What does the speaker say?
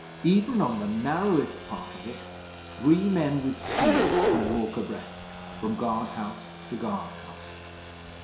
Even on the narrowest part of it three men with shields can walk abreast, from guard house to guard house.